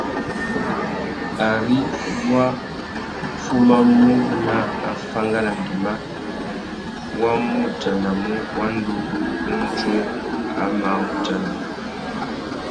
Ari wá fumamú nà afánganangüima, wá mù udjanamú wanda uwú undjuê a mà wu udjana.